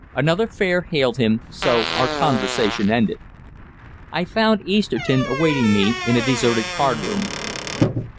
Another fare hailed him, so our conversation ended. I found Easterton awaiting me in a deserted card room.